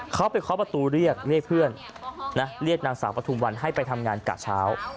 เขาไปเคาะประตูเรียกเรียกเพื่อนนะเรียกนางสาวปฐุมวันให้ไปทำงานกะเช้า